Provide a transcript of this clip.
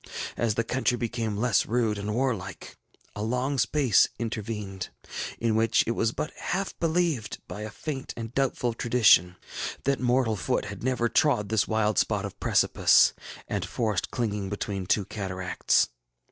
As the country became less rude and warlike, a long space intervened, in which it was but half believed, by a faint and doubtful tradition, that mortal foot bad never trod this wild spot of precipice and forest clinging between two cataracts.